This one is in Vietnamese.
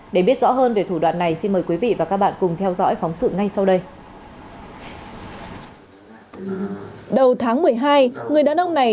để biết rõ hơn về thủ đoạn này xin mời quý vị và các bạn cùng theo dõi phóng sự ngay sau đây